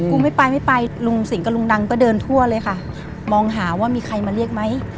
ไม่ไปไม่ไปลุงสิงกับลุงดังก็เดินทั่วเลยค่ะมองหาว่ามีใครมาเรียกไหม